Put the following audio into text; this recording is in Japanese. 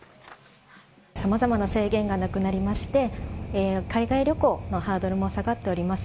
さまざまな制限がなくなりまして、海外旅行のハードルも下がっております。